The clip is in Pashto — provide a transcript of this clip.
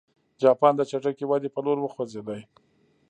جاپان د چټکې ودې په لور وخوځېد.